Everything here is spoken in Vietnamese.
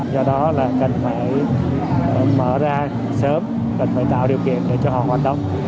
do đó là cần phải mở ra sớm cần phải tạo điều kiện để cho họ hoạt động